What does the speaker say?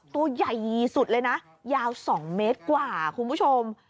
ตัวใหญ่สุดเลยนะยาว๒เมตรกว่าคุณผู้ชม